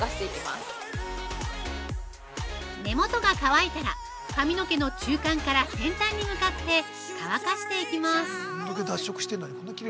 ◆根元が乾いたら、髪の毛の中間から先端に向かって乾かしていきます。